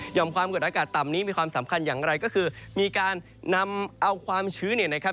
ความกดอากาศต่ำนี้มีความสำคัญอย่างไรก็คือมีการนำเอาความชื้นเนี่ยนะครับ